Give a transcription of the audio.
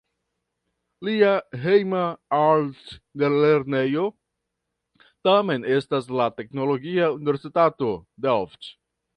Lia "hejma" altlernejo tamen estas la Teknologia Universitato Delft.